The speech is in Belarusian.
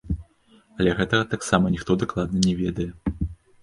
Але гэтага таксама ніхто дакладна не ведае.